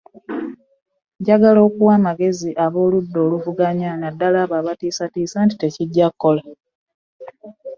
Njagala okuwa amagezi ab’oludda oluvuganya naddala abo abatiisatiisa nti tekijja kukola.